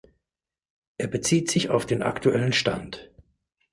Er bezieht sich auf den aktuellen Stand.